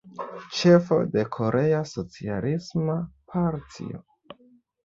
Ĉefo de Korea Socialisma Partio.